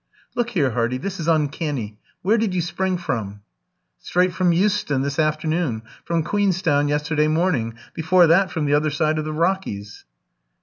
"Look here, Hardy, this is uncanny. Where did you spring from?" "Straight from Euston this afternoon, from Queenstown yesterday morning, before that from the other side of the Rockies."